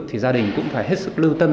thì gia đình cũng phải hết sức lưu tâm